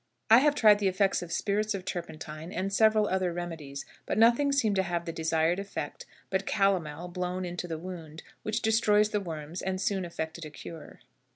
I have tried the effect of spirits of turpentine and several other remedies, but nothing seemed to have the desired effect but calomel blown into the wound, which destroyed the worms and soon effected a cure.